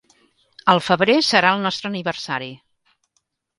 Al febrer serà el nostre aniversari.